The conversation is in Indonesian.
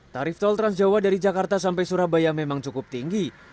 tarif tol transjawa dari jakarta sampai surabaya memang cukup tinggi